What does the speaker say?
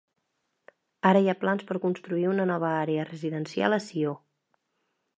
Ara hi ha plans per construir una nova àrea residencial a Sió.